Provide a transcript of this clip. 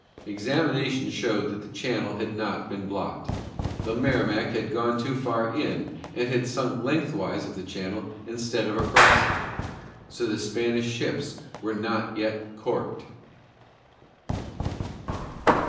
Examination showed that the channel had not been blocked. The Merrimac had gone too far in, and had sunk lengthwise of the channel instead of across it. So the Spanish ships were not yet "corked."